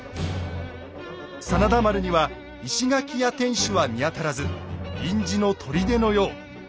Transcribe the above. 真田丸には石垣や天守は見当たらず臨時の砦のよう。